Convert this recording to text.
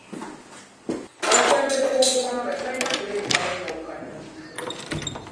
Abakulembeeze b'obuwangwa tebalina kuleetawo njawukana mu bitundu.